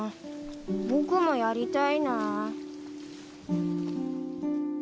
僕もやりたいな。